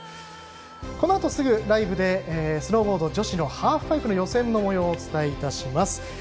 このあとすぐライブでスノーボード女子のハーフパイプの予選のもようをお伝えいたします。